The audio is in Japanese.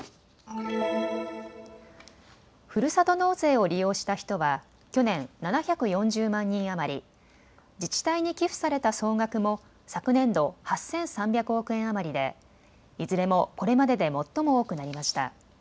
ふるさと納税を利用した人は去年７４０万人余り、自治体に寄付された総額も昨年度８３００億円余りで、いずれもこれまでで最も多くなりました。